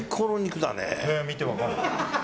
見て分かる？